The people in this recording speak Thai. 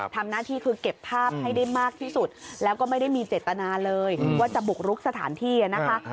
ทำหน้าที่คือเก็บภาพให้ได้มากที่สุดแล้วก็ไม่ได้มีเจตนาเลยว่าจะบุกรุกสถานที่นะคะ